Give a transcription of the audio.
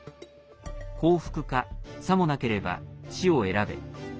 「降伏かさもなければ、死を選べ」。